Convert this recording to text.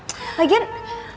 ya jangan aja kalo lo masa dorong